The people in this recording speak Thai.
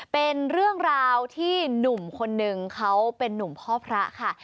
เป็นเรื่องราวที่หนุ่มคนนึงเขาเป็นนุ่มพ่อพระค่ะ